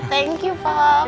thank you pak